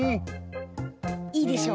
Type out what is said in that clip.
いいでしょ？